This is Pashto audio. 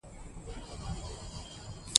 یوازیتوب دومره خطرناک دی لکه سګرټ څکول.